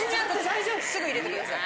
すぐ入れてください。